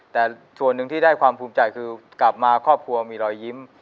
แต่ส่วนหนึ่งที่ได้ความภูมิใจคือกลับมาครอบครัวมีรอยยิ้ม